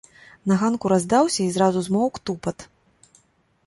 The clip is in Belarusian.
На ганку раздаўся і зразу змоўк тупат.